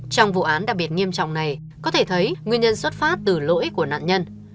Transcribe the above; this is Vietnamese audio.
trong vụ án đặc biệt nghiêm trọng này có thể thấy nguyên nhân xuất phát từ lỗi của nạn nhân